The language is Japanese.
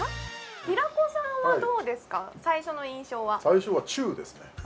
平子さんはどうですか最初の印象は最初はチューですね